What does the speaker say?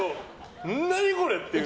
何これ！っていう時。